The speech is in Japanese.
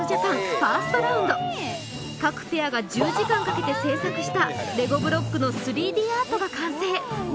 ファーストラウンド各ペアが１０時間かけて制作したレゴブロックの３Ｄアートが完成